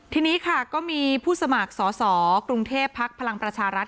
ทีนี้ค่ะก็มีผู้สมัครสอสอกรุงเทพภักดิ์พลังประชารัฐ